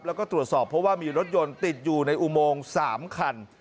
แล้วก็ตรวจสอบเพราะว่ามีรถยนต์ติดอยู่ในอุโมง๓คัน